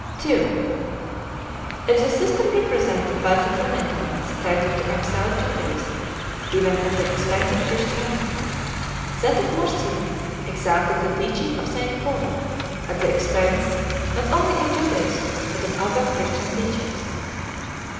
2. If_the_ system represented by the Clementines tended to exalt Judaism, even at the expense of Chris . "ETanity, that of Marcion*.. exalted the teaching of St Paul. _atthe expense not only of Judaism but of other Christian teachers.